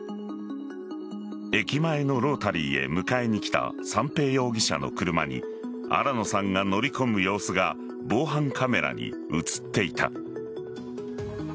駅前のロータリーへ迎えに来た三瓶容疑者の車に新野さんが乗り込む様子が防犯カメラに映っていた。